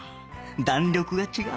弾力が違う。